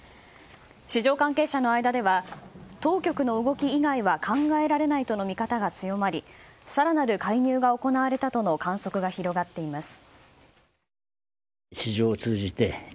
市場関係者の間では当局の動き以外は考えられないとの見方が強まり更なる介入が行われたとの観測が広がっています。